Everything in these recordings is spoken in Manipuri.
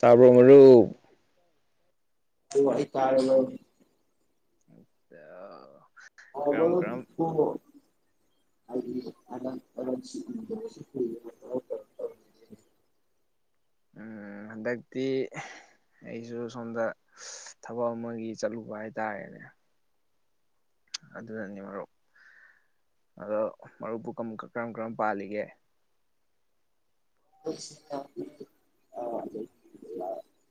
ꯇꯥꯔꯕ ꯔꯨ ꯍ ꯋꯥꯏ ꯀꯥꯔꯅ ꯑ ꯑꯕ ꯑꯗꯨ ꯍ [inaudible] ꯎꯝ ꯍꯟꯗꯛꯇꯤ ꯑꯩꯁꯨ ꯁꯣꯝꯗ ꯊꯕꯛ ꯑꯃꯒꯤ ꯆꯠꯂꯨꯕ ꯍꯥꯏꯇꯥꯔꯦꯅꯦ ꯑꯗꯨꯅꯅꯤ ꯃꯔꯨꯞ ꯑꯗꯣ ꯃꯔꯨꯞꯄꯨ ꯀꯔꯝ ꯀꯔꯝ ꯄꯥꯜꯂꯤꯒꯦ [inaudible]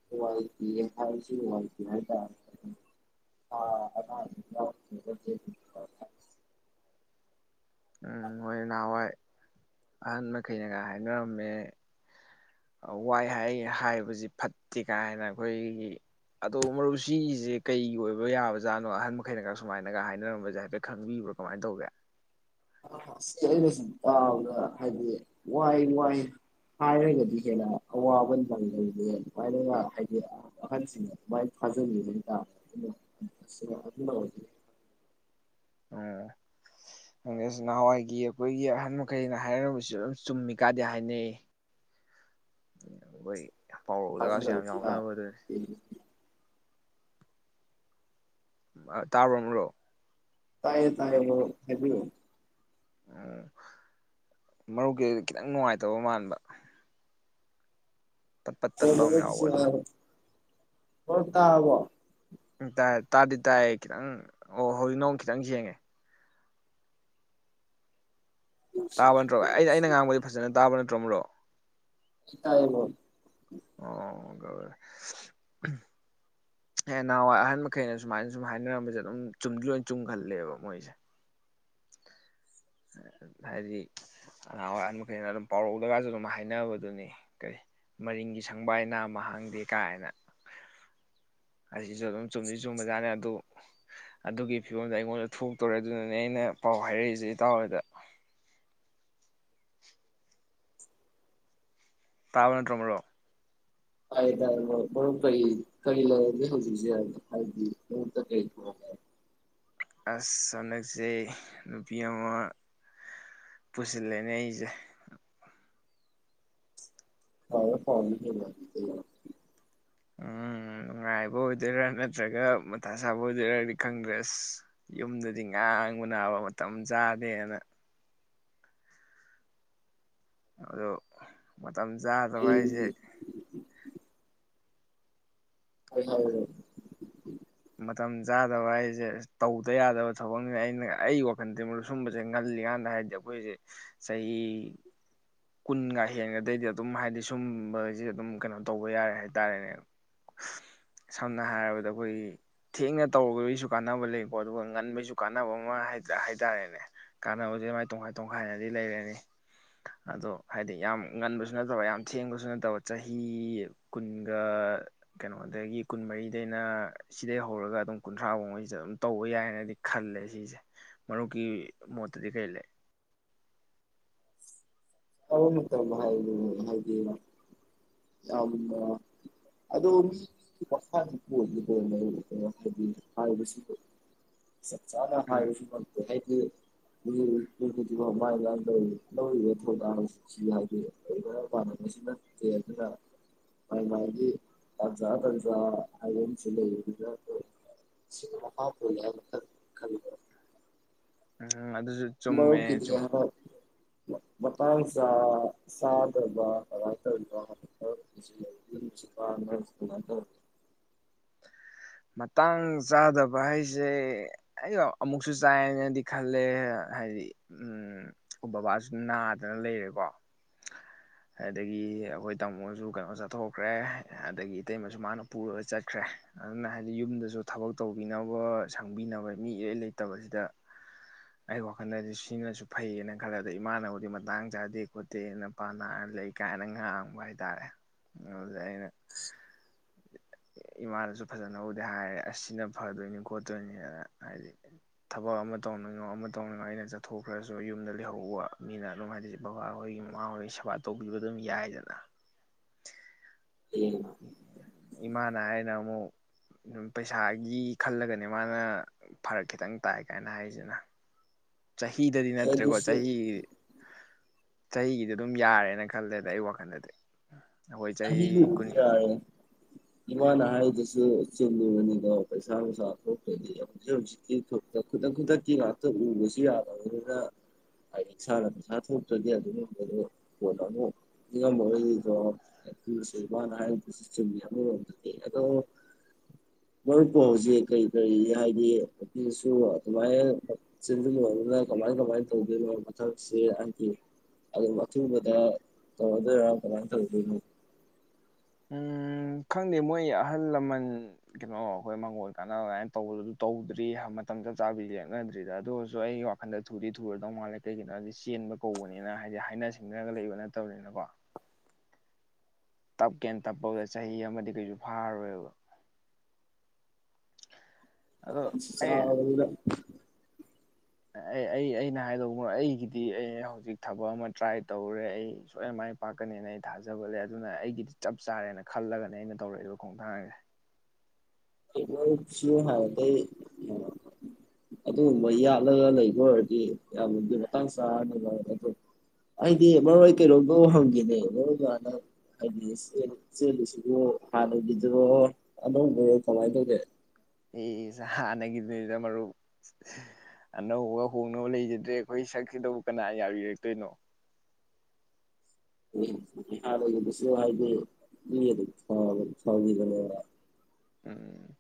[inaudible] ꯎꯝ ꯑꯣꯏꯣꯏꯅꯋꯥꯏ ꯑꯍꯟ ꯃꯈꯩꯅꯒ ꯍꯥꯏꯅꯔꯝꯃꯦ ꯋꯥꯏ ꯍꯥꯏ ꯍꯥꯏꯕꯁꯤ ꯐꯠꯇꯦ ꯀꯥꯏꯅ ꯑꯩꯈꯣꯏꯒꯤ ꯑꯗꯣ ꯃꯔꯨ ꯁꯤꯁꯦ ꯀꯩꯒꯤ ꯑꯣꯏꯕ ꯌꯥꯕꯖꯥꯠꯅꯣ ꯑꯍꯟ ꯃꯈꯩꯅꯒ ꯁꯨꯃꯥꯏꯅꯒ ꯍꯥꯏꯅꯔꯝꯕꯁꯦ ꯍꯥꯏꯐꯦꯠ ꯈꯪꯕꯤꯕ꯭ꯔꯣ ꯀꯃꯥꯏꯅ ꯇꯧꯒꯦ ꯑ ꯁꯤ ꯑꯩꯅꯁꯨ ꯇꯥꯎꯅ ꯍꯥꯏꯗꯤ ꯋꯥꯏ ꯋꯥꯏ ꯍꯥꯏꯔꯒꯗꯤ ꯍꯦꯟꯅ ꯑꯋꯥꯕ ꯅꯪ ꯂꯩꯦ ꯑꯗꯨꯃꯥꯏꯅꯒ ꯍꯥꯏꯗꯤ ꯑꯍꯟꯁꯤꯡꯅ ꯑꯗꯨꯃꯥꯏꯅ ꯐꯥꯖꯤꯟꯒꯅ ꯇ ꯑꯣꯏ ꯑꯣꯪ ꯅꯍꯥꯟꯋꯥꯏꯒꯤ ꯑꯩꯈꯣꯏꯒꯤ ꯑꯍꯟ ꯃꯈꯩꯅ ꯍꯥꯏꯔꯕꯁꯨ ꯑꯗꯨꯝ ꯆꯨꯝꯃꯤ ꯀꯥꯗꯦ ꯍꯥꯏꯅꯩ ꯑꯩꯈꯣꯏ ꯄꯥꯎꯔꯛꯎꯗꯒꯥꯁꯨ ꯌꯥꯝ ꯐꯥꯖꯤꯜꯂꯕꯁꯤꯅ ꯌꯥꯎꯅꯕ ꯑꯗꯨꯅꯦ ꯑ ꯇꯥꯔꯝ꯭ꯔꯣ ꯇꯥꯏꯌꯦ ꯇꯥꯏꯌꯦ ꯍꯥꯏꯕꯤ ꯎ ꯃꯔꯨꯞꯀꯤꯗꯤ ꯈꯤꯇꯪ ꯅꯨꯡꯉꯥꯏꯇꯕ ꯃꯥꯟꯕ ꯄꯠ ꯄꯠ ꯇꯠꯄ ꯑꯃ ꯌꯥꯎꯕ ꯐꯅꯁꯨꯦ ꯑꯗꯨ ꯍꯣ ꯇꯕꯣ ꯎꯝ ꯇꯥꯏ ꯇꯥꯗꯤ ꯇꯥꯏ ꯈꯤꯇꯪ ꯑꯣ ꯍꯧꯖꯤꯛ ꯅꯑꯣ ꯈꯤꯇꯪ ꯁꯦ ꯇꯥꯏꯌꯦ ꯇꯥꯕ ꯅꯠꯇ꯭ꯔꯣ ꯃꯔꯨꯞ ꯑꯩꯅ ꯑꯩꯅ ꯉꯥꯡꯕꯗꯤ ꯐꯖꯅ ꯇꯥꯕ ꯅꯠꯇ꯭ꯔ ꯇꯔꯣꯃꯔꯨ ꯁꯤ ꯇꯥꯏꯅꯦ [inaudible] ꯍ ꯅꯍꯥꯟꯋꯥꯏ ꯑꯍꯟ ꯃꯈꯩꯅ ꯁꯨꯃꯥꯏꯅ ꯁꯨꯝ ꯍꯥꯏꯅꯔꯝꯕꯁꯦ ꯑꯗꯨꯝ ꯆꯨꯝꯗꯤ ꯂꯣꯏ ꯆꯨꯝꯒꯜꯂꯦꯕ ꯃꯣꯏꯁꯦ ꯍꯥꯏꯗꯤ ꯅꯍꯥꯡꯋꯥꯏ ꯑꯍꯟ ꯃꯈꯩꯅ ꯑꯗꯨꯝ ꯄꯥꯎꯔꯧꯗꯒꯁꯨ ꯑꯗꯨꯝ ꯍꯥꯏꯅꯕꯗꯨꯅꯤ ꯀꯔꯤ ꯃꯔꯤꯡꯒꯤ ꯁꯪꯕꯥꯥꯏꯅꯥ ꯅꯝꯃ ꯍꯥꯡꯗꯦ ꯀꯥꯏꯅ ꯁꯤꯁꯨ ꯑꯗꯨꯝ ꯆꯨꯝꯗꯤ ꯆꯨꯝꯕꯖꯥꯠꯅꯤ ꯑꯗꯨ ꯑꯗꯨꯒꯤ ꯐꯤꯕꯝꯗ ꯑꯩꯉꯣꯟꯗ ꯊꯣꯛꯇꯣꯔꯦ ꯑꯗꯨꯅꯅꯦ ꯑꯩꯅ ꯄꯥꯎ ꯍꯥꯏꯔꯛꯏꯁꯦ ꯏꯇꯥꯎꯍꯣꯏꯗ ꯇꯥꯕ ꯅꯠꯇꯔꯣ ꯃꯔꯨꯞ ꯇꯥꯏꯌꯦ ꯇꯥꯏꯌꯦ ꯃꯔꯨꯞ ꯃꯔꯨꯞ ꯀꯩ ꯀꯩ ꯂꯩꯔꯒꯦ ꯍꯧꯖꯤꯛꯁꯦ ꯍꯥꯏꯗꯤ ꯃꯔꯨꯞꯇ ꯀꯩ ꯄꯔꯣꯕꯂꯦꯝ ꯑꯁ ꯍꯟꯗꯛꯁꯦ ꯅꯨꯄꯤ ꯑꯃ ꯄꯨꯁꯤꯜꯂꯦꯅꯦ ꯑꯩꯁꯦ ꯍ ꯐꯥꯎꯝ [unintelligible] [inaudible] ꯎꯝ ꯅꯨꯡꯉꯥꯏꯕ ꯑꯣꯏꯗꯣꯏꯔꯥ ꯅꯠꯇ꯭ꯔꯒ ꯃꯊꯥ ꯁꯥꯕ ꯑꯣꯏꯗꯣꯏꯔꯗꯤ ꯈꯪꯗ꯭ꯔꯦ ꯑꯁ ꯌꯨꯝꯗꯗꯤ ꯉꯥꯡꯕꯅꯥꯕ ꯃꯇꯝ ꯆꯥꯗꯦꯅ ꯑꯗꯣ ꯃ ꯇꯝꯆꯥꯗꯕ ꯍꯥꯏꯁꯦ ꯑꯩ ꯍ ꯍꯥꯎ [inaudible] ꯃꯇꯝ ꯆꯥꯗꯕ ꯍꯥꯏꯁꯦ ꯇꯧꯗ ꯌꯥꯗꯕ ꯊꯕꯛꯅꯤ ꯑꯩꯅ ꯑꯩ ꯋꯥꯈꯟꯗ ꯃꯔꯨꯞ ꯁꯨꯝꯕꯁꯦ ꯉꯜꯂꯤꯀꯥꯟꯗ ꯍꯥꯏꯗꯤ ꯑꯩꯈꯣꯏꯁꯦ ꯆꯍꯤ ꯀꯨꯟꯒ ꯍꯦꯟꯒꯗꯩꯗꯤ ꯑꯗꯨꯝ ꯍꯥꯏꯕꯗꯤ ꯁꯨꯝꯕꯁꯦ ꯑꯗꯨꯝ ꯀꯩꯅꯣ ꯇꯧꯕ ꯌꯥꯔꯦ ꯍꯥꯏꯇꯥꯔꯦꯅꯦ ꯁꯝꯅ ꯍꯥꯏꯔꯕꯗ ꯑꯩꯈꯣꯏꯒꯤ ꯊꯦꯡꯅ ꯇꯧꯔꯨꯕꯒꯤꯁꯨ ꯀꯥꯟꯅꯕ ꯂꯩꯀꯣ ꯑꯗꯨꯒ ꯉꯟꯕꯩꯁꯨ ꯀꯥꯟꯅꯕ ꯑꯃ ꯍꯥꯏ ꯇꯥꯔꯦꯅꯦ ꯀꯥꯟꯅꯕꯁꯦ ꯃꯥꯏ ꯇꯣꯈꯥꯏ ꯇꯣꯡꯈꯥꯏꯅꯗꯤ ꯂꯩꯔꯅꯤ ꯑꯗꯣ ꯍꯥꯏꯗꯤ ꯌꯥꯝ ꯉꯟꯕꯁꯨ ꯅꯠꯇꯕ ꯌꯥꯝ ꯊꯦꯡꯕꯁꯨ ꯅꯠꯇꯕ ꯆꯍꯤ ꯀꯨꯟꯒ ꯀꯩꯅꯣꯗꯒꯤ ꯀꯨꯟꯃꯔꯤꯗꯩꯅ ꯁꯤꯗꯩꯩ ꯍꯧꯔꯒ ꯑꯗꯨꯝ ꯀꯨꯟꯊ꯭ꯔꯥꯐꯥꯎꯃꯩꯗꯤꯑꯗꯨꯝ ꯇꯧꯕ ꯌꯥꯏꯑꯅꯗꯤ ꯈꯜꯂꯦ ꯁꯤꯁꯦ ꯃꯔꯨꯞꯀꯤ ꯃꯣꯠꯇꯗꯤ ꯀꯔꯤ ꯂꯩ ꯑꯗꯨ ꯍꯥꯏ ꯍꯥꯏꯗꯤ ꯌꯥꯝ ꯑꯗꯨ ꯌꯥꯝꯅ ꯍꯥꯏꯗꯤ ꯍꯥꯏ [inaudible] ꯆꯞ ꯆꯥꯅ ꯎꯝ ꯍꯥꯏꯕꯁꯨ ꯉꯝꯗꯦ ꯍꯥꯏꯗꯤ ꯎꯝꯥꯏ ꯂꯗ [inaudible] ꯂꯧꯔꯤꯕ ꯊꯧꯗꯥꯡꯁꯤ ꯌꯥꯎꯗꯤ ꯂꯩꯅ ꯃꯥꯟꯅꯕꯁꯨ ꯅꯠꯇꯦ ꯑꯗꯨꯅ ꯃꯥꯏ ꯃꯥꯥꯏꯒꯤ ꯇꯥꯟꯖꯥ ꯇꯟꯖꯥ ꯍꯥꯏꯕꯝꯁꯨ ꯂꯩꯕꯅꯤꯅ ꯁꯤꯒꯤ ꯃꯈꯥ ꯄꯣꯜꯂꯤ ꯈꯜꯂꯤꯗ [inaudible] ꯎꯝ ꯑꯗꯨꯁꯨ ꯝꯧꯎ ꯆꯨꯝꯃꯦ ꯀꯤꯗꯦ ꯆꯨꯝ ꯍꯥꯎ [inaudible] [unintelligible] ꯃꯇꯥꯡ ꯆꯥ ꯆꯥꯗꯕ ꯀꯃꯥꯏ ꯇꯩꯔꯤꯅꯣ [unintelligible] [inaudible] ꯃꯇꯥꯡ ꯆꯥꯗꯕ ꯍꯥꯏꯁꯦ ꯑꯩ ꯑꯃꯨꯛꯁꯨ ꯆꯥꯏꯅꯗꯤ ꯈꯜꯂꯦ ꯍꯥꯏꯗꯤ ꯎꯝ ꯕꯕꯥꯁꯨ ꯅꯥꯗꯅ ꯂꯩꯔꯦꯀꯣ ꯑꯗꯨꯗꯒꯤ ꯑꯩꯈꯣꯏ ꯇꯥꯃꯣꯁꯨ ꯀꯩꯅꯣ ꯆꯠꯊꯣꯛꯈ꯭ꯔꯦ ꯑꯗꯒꯤ ꯏꯇꯩꯃꯁꯨ ꯃꯥꯅ ꯄꯨꯔꯒ ꯆꯠꯈ꯭ꯔꯦ ꯑꯗꯨꯅ ꯍꯥꯏꯗꯤ ꯌꯨꯝꯗꯁꯨ ꯊꯕꯛ ꯇꯧꯕꯤꯅꯕ ꯁꯪꯕꯤꯅꯕ ꯃꯤ ꯏꯔꯩ ꯂꯩꯇꯕꯁꯤꯗ ꯑꯩ ꯋꯥꯈꯜꯗꯗꯤ ꯁꯤꯅꯁꯨ ꯐꯩꯌꯦꯅ ꯈꯜꯂꯦ ꯑꯗ ꯏꯃꯥꯅꯕꯨꯗꯤ ꯃꯇꯥꯡ ꯆꯥꯗꯦ ꯈꯣꯠꯇꯦꯅꯄꯥ ꯅꯥꯔ ꯂꯩ ꯀꯥꯏꯅ ꯉꯥꯡꯕ ꯍꯥꯏꯇꯥꯔꯦ ꯑꯗꯨꯗ ꯑꯩꯅ ꯏꯃꯥꯅꯁꯨ ꯐꯖꯅꯍꯧꯗꯤ ꯍꯥꯏꯔꯦ ꯑꯁ ꯁꯤꯅ ꯐꯗꯣꯏꯅꯤ ꯈꯣꯠꯇꯣꯏꯅꯤꯅ ꯍꯥꯏꯗꯤ ꯊꯕꯛ ꯑꯃ ꯇꯧꯅꯤꯡꯉꯣ ꯑꯃ ꯇꯧꯅꯤꯡꯉꯣ ꯑꯩꯅ ꯆꯠꯊꯣꯛꯈ꯭ꯔꯁꯨ ꯌꯨꯝꯗ ꯂꯩꯍꯧꯕ ꯃꯤꯅ ꯑꯗꯨꯝ ꯍꯥꯏꯗꯤ ꯕꯕꯥꯍꯣꯏꯒꯤ ꯃꯃꯥꯍꯣꯏꯒꯤ ꯁꯦꯕꯥ ꯇꯧꯕꯤꯕ ꯑꯗꯨꯝ ꯌꯥꯏꯗꯅ ꯂꯩ ꯏꯃꯥꯅ ꯍꯥꯏꯅ ꯃꯨꯛ ꯑꯗꯨꯝ ꯄꯩꯁꯥꯒꯤ ꯈꯜꯂꯒꯅꯦ ꯃꯥꯅ ꯐꯔꯛ ꯈꯤꯇꯪ ꯇꯥꯏ ꯀꯥꯏꯅ ꯍꯥꯏꯔꯤꯁꯤꯅ ꯆꯍꯤꯗꯗꯤ ꯅꯠꯇ꯭ꯔꯦꯀꯣ ꯑꯗꯨꯁꯨ ꯆꯍꯤ ꯆꯍꯤꯒꯤꯗꯤ ꯑꯗꯨꯝ ꯌꯥꯔꯦꯅ ꯈꯜꯂꯦꯗ ꯑꯩ ꯋꯥꯈꯜꯗꯗꯤ ꯑꯩꯈꯣꯏ ꯆꯍꯤ ꯀꯨꯟ ꯆꯥꯍꯤꯒꯤꯕꯨꯗꯤ ꯌꯥꯔꯦ ꯏꯃꯥꯅ ꯍꯥꯏꯗꯨꯁꯨ ꯆꯦꯜꯂꯤꯕꯅꯤꯗꯣ ꯄꯩꯁꯥ ꯅꯨꯡꯁꯥ ꯊꯣꯛꯇ꯭ꯔꯗꯤ ꯍꯧꯖꯤꯛ ꯍꯧꯖꯤꯛꯇꯤ ꯈꯨꯗꯛ ꯈꯨꯗꯛꯀꯤ ꯉꯥꯛꯇ ꯎꯕꯁꯨ ꯌꯥꯗꯕꯅꯤꯅ ꯍꯥꯢꯗꯤ ꯏꯁꯥꯅ ꯄꯩꯁꯥ ꯊꯣꯛꯇ꯭ꯔꯗꯤ ꯑꯗꯨꯒꯨꯝꯕꯗꯣ ꯀꯣꯟꯅ ꯑꯃꯨꯛ ꯅꯤꯡꯉꯝꯃꯣꯏꯅꯤꯗꯣ ꯑꯃꯨꯛꯁꯨ ꯏꯃꯥꯅ ꯍꯥꯏꯗꯨꯁꯨ ꯆꯨꯝꯃꯤ ꯑꯃꯔꯣꯝꯗꯗꯤ ꯑꯗꯣ ꯃꯔꯨꯞꯄꯨ ꯍꯧꯖꯤꯛ ꯀꯔꯤ ꯀꯔꯤ ꯍꯥꯏꯗꯤ ꯅꯨꯄꯤꯁꯨ ꯑꯗꯨꯃꯥꯏꯅ ꯆꯤꯟꯖꯤꯜꯂꯨꯔꯃꯤꯅ ꯀꯃꯥꯏ ꯀꯃꯥꯏꯅ ꯇꯧꯗꯣꯏꯅꯣ ꯃꯊꯛꯁꯤ ꯍꯥꯏꯗꯤ ꯑꯗꯨꯝ ꯑꯊꯨꯕꯗ ꯇꯧꯔꯗꯣꯏꯔꯥ ꯀꯃꯥꯏꯅ ꯇꯧꯗꯣꯏꯅꯣ ꯎꯝ ꯈꯪꯗꯦ ꯃꯣꯏ ꯑꯍꯜ ꯂꯃꯟ ꯀꯩꯅꯣ ꯑꯩꯈꯣꯏ ꯃꯪꯒꯣꯜ ꯀꯥꯟꯅꯕꯍꯥꯏꯅ ꯇꯧꯕ ꯇꯧꯗ꯭ꯔꯤ ꯃꯇꯝ ꯆꯞ ꯆꯥꯕꯤ ꯂꯦꯞꯅꯗ꯭ꯔꯤꯗ ꯑꯗꯨ ꯑꯣꯏꯔꯁꯨ ꯑꯩꯒꯤ ꯋꯥꯈꯜꯗ ꯊꯨꯗꯤ ꯊꯨꯔꯗꯧ ꯃꯥꯜꯂꯦ ꯀꯩꯒꯤꯅꯣ ꯍꯥꯏꯗꯤ ꯆꯦꯟꯕ ꯀꯧꯕꯅꯤꯅ ꯍꯥꯏꯗꯤ ꯍꯥꯏꯅ ꯁꯤꯡꯅꯔꯒ ꯂꯩꯕ ꯅꯠꯇꯧꯅꯤꯅꯀꯣ ꯇꯞꯀꯦꯅ ꯇꯞꯄꯗ ꯆꯍꯤ ꯑꯃꯗꯤ ꯀꯩꯁꯨ ꯐꯥꯔꯣꯏꯕ ꯑꯗꯣ ꯝꯇꯝꯁꯨ ꯑꯩ ꯆꯥꯔꯕꯅꯤꯅ ꯑꯩ ꯑꯩ ꯑꯩꯅ ꯍꯥꯏꯗꯧꯕꯨ ꯑꯩꯒꯤꯗꯤ ꯑꯩ ꯍꯧꯖꯤꯛ ꯊꯕꯛ ꯑꯃ ꯇ꯭ꯔꯥꯏ ꯇꯧꯔꯦ ꯑꯩ ꯁꯣꯏꯅ ꯃꯥꯏ ꯄꯥꯛꯀꯅꯦꯅ ꯑꯩ ꯊꯥꯖꯕ ꯂꯩ ꯑꯗꯨꯅ ꯑꯩꯒꯤꯗꯤ ꯆꯞ ꯆꯥꯔꯦꯅ ꯈꯜꯂꯒꯅꯦ ꯑꯩꯅ ꯇꯧꯔꯛꯏꯕ ꯈꯣꯡꯊꯥꯡꯁꯦ ꯃꯔꯨꯞꯁꯨ ꯍꯥꯟꯅꯗꯒꯤ ꯑꯥ ꯑꯗꯨꯒꯨꯝꯕ ꯌꯥꯠꯂꯒ ꯂꯩꯕ ꯑꯣꯏꯔꯗꯤ ꯌꯥꯝꯅꯗꯤ ꯃꯇꯥꯡ ꯆꯥꯔꯅꯤ ꯑꯗꯣ ꯑꯩꯗꯤ ꯃꯔꯨꯞ ꯑꯩ ꯀꯩꯅꯣꯝꯕꯨ ꯍꯪꯒꯦꯅꯦ ꯃꯔꯨꯞꯅ ꯍꯟꯇꯛ ꯍꯥꯏꯗꯤ ꯆꯦꯜꯂꯤꯁꯤꯕꯨ ꯍꯥꯟꯅꯒꯤꯗꯨꯔꯣ ꯑꯅꯧꯕꯔꯣ ꯀꯃꯥꯏ ꯇꯧꯒꯦ ꯏꯁ ꯍꯥꯟꯅꯒꯤꯗꯨꯅꯤꯗ ꯃꯔꯨꯞ ꯑꯅꯧꯕꯒ ꯍꯣꯡꯅꯕ ꯂꯩꯖꯗ꯭ꯔꯦ ꯑꯩꯈꯣꯏ ꯁꯛꯁꯤꯗꯕꯨ ꯀꯅꯥ ꯌꯥꯕꯤꯔꯛꯇꯣꯏꯅꯣ ꯏꯁ ꯍꯥꯟꯅꯒꯤ ꯍꯥꯌꯔꯗꯤ ꯃꯤ ꯑꯗꯨꯝ ꯐꯒꯤ ꯐꯒꯤꯕꯅꯦꯗ ꯎꯝ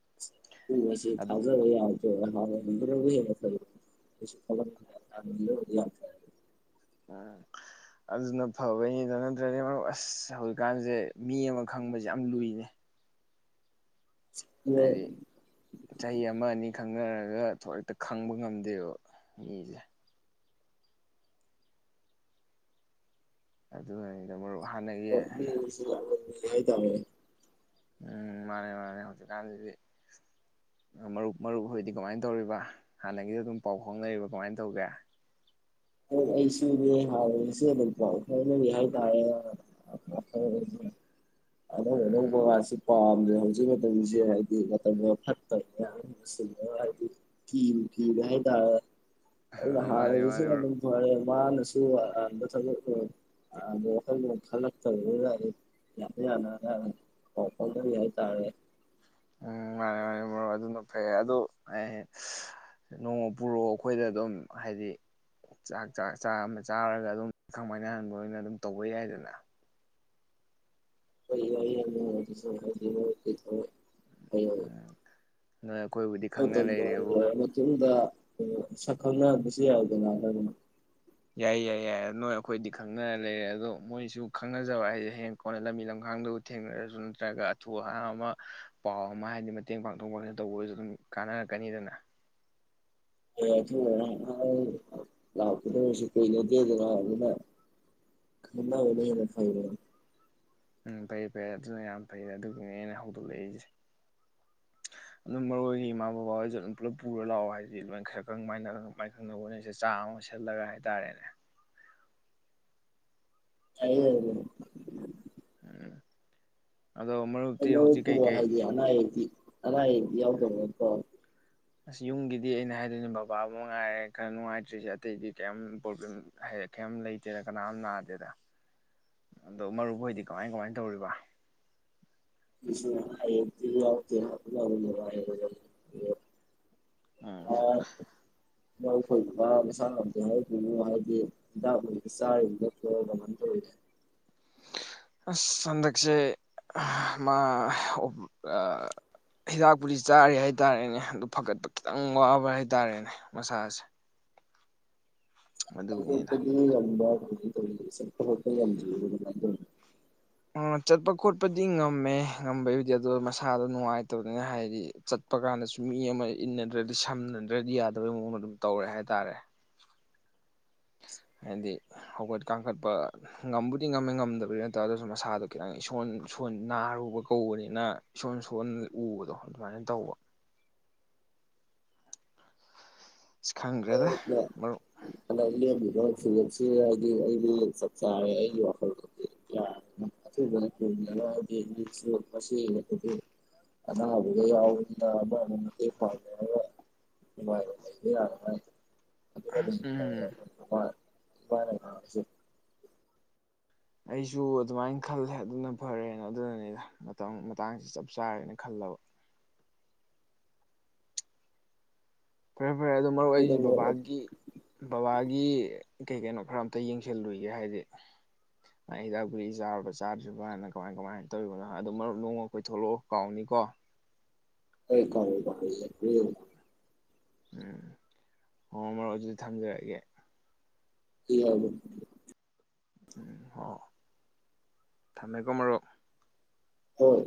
ꯎꯁ ꯊꯥꯖ ꯌꯥ ꯕ ꯎꯝ ꯑꯗꯨꯅ ꯐꯕꯩꯅꯤꯗ ꯅꯠꯇ꯭ꯔꯗꯤ ꯃꯔ ꯑꯁ ꯍꯧꯖꯤꯛꯀꯥꯟꯁꯦ ꯃꯤ ꯑꯃ ꯈꯪꯕꯁꯦ ꯌꯥꯝ ꯂꯨꯏꯅꯦ ꯍꯥꯏꯗꯤ ꯆꯍꯤ ꯑꯃ ꯑꯅꯤ ꯈꯪꯅꯔꯒ ꯊ ꯍꯦꯛꯇ ꯈꯪꯕ ꯉꯝꯗꯦꯕ ꯃꯤꯁꯦ ꯑ ꯅ [unintelligible] ꯌꯥ ꯇꯃꯦ ꯎꯝ ꯃꯥꯅꯦ ꯃꯥꯅꯦ ꯍꯧꯖꯤꯛꯀꯥꯟꯁꯤꯗꯤ ꯃꯔꯨꯞ ꯃꯔꯨꯞꯈꯨꯗꯤ ꯀꯃꯥꯏꯅ ꯇꯧꯔꯤꯕ ꯍꯥꯟꯅꯒꯤꯗ ꯑꯗꯨꯝ ꯄꯥꯎ ꯐꯥꯎꯅꯔꯤꯕ ꯀꯃꯥꯏꯅ ꯇꯧꯒꯦ ꯍꯣꯏ ꯑꯩꯁꯨꯅꯦ ꯍꯥꯎꯁꯨ ꯑꯗꯨꯝ ꯄꯥꯎ ꯐꯥꯎꯅꯔꯤ ꯍꯥꯏꯇꯥꯔꯦ ꯑꯣ ꯑꯣꯅ ꯎꯝ ꯋꯥꯁꯤ ꯄꯝꯗ ꯍꯧꯖꯤꯛ ꯃꯇꯝꯁꯤꯦ ꯐ ꯑ ꯁꯤ ꯍꯥꯏ ꯀꯤ ꯀ ꯍꯥꯏ ꯇ ꯃꯥꯅꯦ ꯃꯥꯅꯦ ꯍꯁꯤ ꯃꯔꯨꯞ ꯑ ꯃꯥꯅꯁꯨ ꯃꯊ ꯋꯥꯈꯜꯂꯣꯟ ꯈꯜꯂꯛꯇꯕꯗꯨꯗ ꯑꯩ ꯌꯥꯝꯅ ꯌꯥꯅ ꯄꯥꯎ ꯐꯥꯎꯅꯔꯤ ꯍꯥꯏꯇꯥꯔꯦ ꯎꯝ ꯃꯥꯔꯦ ꯃꯥꯔꯦ ꯃꯔ ꯑꯗꯨꯅ ꯐꯩ ꯑꯗꯨ ꯅꯣꯡꯃ ꯄꯨꯔꯛꯑꯣ ꯑꯩꯈꯣꯏꯗ ꯑꯗꯨꯝ ꯍꯥꯏꯗꯤ ꯆꯥꯛ ꯆꯥꯛ ꯆꯥ ꯑꯃ ꯆꯥꯔꯒ ꯑꯗꯨꯝ ꯈꯥꯡꯃꯥꯏꯅꯍꯟꯕ ꯑꯣꯏꯅ ꯑꯗꯨꯝ ꯇꯧꯕ ꯌꯥꯏꯗꯅ ꯀ ꯑ ꯑꯣ ꯇ꯭ꯔ ꯃꯗ ꯁꯛꯈꯪꯅꯕꯁꯨ ꯌꯥꯎꯗꯅꯅꯗꯅ ꯌꯥꯏ ꯌꯥꯏ ꯌꯥꯏ ꯅꯣꯏ ꯑꯩꯈꯣꯏꯗꯤ ꯈꯪꯅꯔ ꯂꯩꯔꯦ ꯑꯗꯣ ꯃꯣꯏꯁꯨ ꯈꯪꯅꯖꯕ ꯍꯥꯏꯁꯦ ꯍꯌꯦꯡ ꯀꯣꯟꯅ ꯂꯝꯕꯤ ꯂꯝꯈꯥꯡꯗꯕꯨ ꯊꯦꯡꯅꯔꯁꯨ ꯅꯠꯇ꯭ꯔꯒ ꯑꯊꯨ ꯑꯍꯥꯡꯕ ꯑꯃ ꯄꯥꯎ ꯑꯃ ꯍꯥꯏꯗꯤ ꯃꯇꯦꯡ ꯄꯥꯡꯊꯣꯛ ꯄꯥꯡꯁꯤꯟ ꯇꯧꯕꯁꯨ ꯑꯗꯨꯝ ꯀꯥꯟꯅꯔꯛꯀꯅꯤꯗꯅ ꯍꯊ ꯂꯥꯛꯀꯗꯔꯁꯨ ꯀꯩꯩꯅꯗꯦꯗ ꯂꯥꯛꯑ ꯑꯗꯨꯅ ꯈꯅꯥꯅ ꯎꯝ ꯐꯥꯏ ꯎꯝ ꯐꯩꯦ ꯐꯩꯦ ꯑꯗꯨꯅ ꯌꯥꯝ ꯐꯩ ꯑꯗꯨꯒꯤꯅꯦ ꯑꯩꯅ ꯍꯧꯗꯣꯛꯂꯛꯏꯁꯦ ꯑꯗꯨꯝ ꯃꯔꯨ ꯑꯣꯏꯒꯤ ꯏꯃꯥ ꯕꯕꯥ ꯍꯣꯏꯁꯨ ꯑꯗꯨꯝ ꯄꯨꯂꯞ ꯄꯨꯔ ꯂꯥꯛꯑꯣ ꯍꯥꯏꯗꯤ ꯂꯣꯏ ꯈꯔ ꯈꯔ ꯃꯅ ꯃꯥꯏ ꯈꯪꯅꯕ ꯍꯣꯠꯁꯦ ꯆꯥ ꯑꯃ ꯁꯤꯠꯂꯒ ꯍꯥꯏꯇꯥꯔꯦꯅꯦ ꯑ ꯎꯝ ꯑꯗꯣ ꯑꯃ ꯍꯥꯏꯗꯤ ꯑꯅꯥ ꯑꯛꯇ ꯑꯔꯥꯏ ꯌꯥꯎꯗꯣ ꯑꯣꯏ ꯑꯁ ꯌꯨꯝꯒꯤꯗꯤ ꯑꯩꯅ ꯍꯥꯏꯗꯣꯏꯅꯦ ꯕꯕꯥꯕꯨ ꯉꯉꯥꯏꯔꯦ ꯈꯔ ꯅꯨꯡꯉꯥꯏꯇ꯭ꯔꯤꯁꯦ ꯑꯇꯩꯗꯤ ꯀꯔꯤꯝ ꯄ꯭ꯔꯣꯕ꯭ꯂꯦꯝ ꯀꯩꯝ ꯂꯩꯇꯦꯗ ꯀꯅꯥꯝ ꯅꯥꯗꯦꯗ ꯑꯗꯣ ꯃꯔꯨꯞꯣꯏꯗꯤ ꯀꯃꯥꯏ ꯀꯃꯥꯏꯅ ꯇꯧꯔꯤꯕ ꯍꯥ ꯂ ꯎꯝ ꯑ ꯂꯧꯈꯣꯏꯕ ꯃꯁꯥ ꯉꯗ ꯍꯥꯏꯒꯅꯨ ꯍꯥꯏꯗꯤ ꯍꯤꯗꯥꯛ ꯆꯥꯔꯤꯔꯤꯕꯗꯣ ꯀꯃꯥꯏꯅ ꯇꯧꯔꯤꯒꯦ ꯑꯁ ꯍꯟꯗꯛꯁꯦ ꯃꯥ ꯍꯤꯗꯥꯛꯄꯨꯗꯤ ꯆꯥꯔꯤ ꯍꯥꯏ ꯇꯥꯔꯦꯅꯦ ꯑꯗꯨ ꯐꯒꯠꯄ ꯈꯤꯇꯪ ꯋꯥꯕ ꯍꯥꯏ ꯇꯥꯔꯦꯅꯦ ꯃꯁꯥꯁꯦ ꯑꯗꯨꯒꯤꯅꯤꯗ [unintelligible] [unintelligible] ꯑ ꯆꯠꯄ ꯈꯣꯠꯄꯗꯤ ꯉꯝꯃꯦ ꯉꯝꯕꯩꯕꯨꯗꯤ ꯑꯗꯨ ꯃꯁꯥꯗ ꯅꯨꯡꯉꯥꯏꯇꯕꯅꯤꯅ ꯍꯥꯏꯗꯤ ꯆꯠꯄ ꯀꯥꯟꯗꯁꯨ ꯃꯤ ꯑꯃ ꯏꯟꯅꯗ꯭ꯔꯗꯤ ꯁꯝꯅꯗ꯭ꯔꯗꯤ ꯌꯥꯗꯕꯩ ꯃꯑꯣꯡ ꯑꯃ ꯑꯗꯨꯝ ꯇꯧꯔꯦ ꯍꯥꯏ ꯇꯔꯦ꯫ ꯍꯥꯏꯗꯤ ꯍꯧꯒꯠ ꯀꯥꯡꯈꯠꯄ ꯉꯝꯕꯨꯗꯤ ꯉꯝꯃꯦ ꯉꯝꯗꯕꯗꯤ ꯅꯠꯇ꯭ꯔ ꯑꯗꯨꯁꯨ ꯃꯁꯥꯗꯣ ꯈꯤꯇꯪ ꯏꯁꯣꯟ ꯅꯥꯔꯨꯕ ꯀꯧꯕꯅꯤꯅ ꯏꯁꯣꯟ ꯁꯣꯟ ꯎꯕꯗꯣ ꯑꯗꯨꯃꯥꯏꯅ ꯇꯧꯕ꯫ [inaudible] ꯈꯥꯪ ꯗꯔ꯭ꯦꯗꯥ ꯃꯔꯨꯞ꯫ ꯍꯟꯗꯛ ꯂꯦꯝꯃꯤꯕ ꯐꯤꯖꯞꯁꯤ ꯍꯥꯏꯗꯤ ꯑꯩꯗꯤ ꯆꯥꯛ ꯆꯥꯔꯦ ꯑꯩꯒꯤ ꯋꯥꯈꯜꯗꯨꯗꯤ ꯑꯊꯨꯕꯅ ꯊꯗꯔ ꯍꯥꯏꯗꯤ ꯃꯤꯁꯨ ꯃꯁꯤꯛꯇꯗꯤ ꯑꯅꯥꯕꯒ ꯌꯥꯎꯕꯅ ꯑꯃꯅ ꯃꯇꯦꯡ ꯄꯥꯡꯅꯔꯒ ꯅꯨꯡꯉꯥꯏꯕ ꯂꯩꯕ ꯌꯥꯔꯉꯥꯏ ꯎꯝ꯫ [unintelligible] ꯑꯩꯁꯨ ꯑꯗꯨꯃꯥꯏꯅ ꯈꯜꯂꯦ ꯑꯗꯨꯅ ꯐꯔꯦꯅ ꯑꯗꯨꯅꯅꯤꯗ ꯃꯇꯝ ꯃꯇꯥꯡꯁꯤ ꯆꯞ ꯆꯥꯔꯦꯅ ꯈꯜꯂꯕ꯫ [inaudible] ꯔꯦ ꯑꯗꯣ ꯃꯔꯨ ꯑꯩꯁꯦ ꯕꯕꯥꯒꯤ ꯕꯕꯥ ꯒꯤ ꯀꯩ ꯀꯩꯅꯣ ꯈꯔ ꯑꯝꯇ ꯌꯦꯡꯁꯤꯜꯂꯨꯏꯒꯦ ꯍꯥꯏꯗꯤ ꯍꯤꯗꯥꯛ ꯀꯨꯛ ꯆꯥꯔꯨꯕ ꯆꯥꯗ꯭ꯔꯤꯕꯅ ꯀꯃꯥꯏ- ꯀꯃꯥꯏꯅ ꯇꯧꯔꯤꯕꯅꯣ ꯑꯗꯨ ꯃꯔꯨꯞ ꯅꯣꯡꯃ ꯀꯣꯏꯊꯂꯛꯑꯣ ꯀꯥꯎꯅꯤꯀꯣ꯫ [unintelligible] ꯎꯝ ꯍꯣ ꯃꯔꯨꯞ ꯑꯗꯨꯗꯤ ꯊꯝꯖꯔꯒꯦ꯫ [unintelligible] ꯎꯝ ꯍ ꯊꯝꯃꯦ ꯀꯣ ꯃꯔꯨꯞ꯫ ꯍꯣꯏ꯫